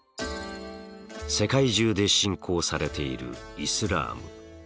世界中で信仰されているイスラーム。